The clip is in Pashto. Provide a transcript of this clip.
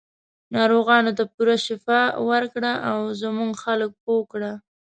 ناروغانو ته پوره شفا ورکړه او زموږ خلک پوه کړه.